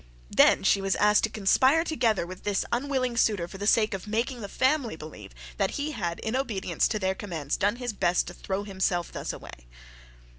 Then she was asked to conspire together with this unwilling suitor, for the sake of making the family believe that he had in obedience to their commands done his best to throw himself thus away!